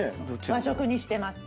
和食にしてます。